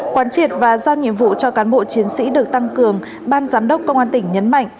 quán triệt và giao nhiệm vụ cho cán bộ chiến sĩ được tăng cường ban giám đốc công an tỉnh nhấn mạnh